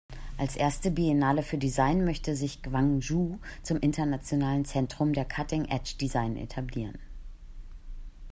Als erste Biennale für Design möchte sich Gwangju zum internationalen Zentrum für Cutting-Edge-Design etablieren.